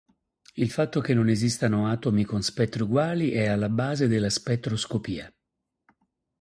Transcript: Il fatto che non esistano atomi con spettri uguali è alla base della spettroscopia.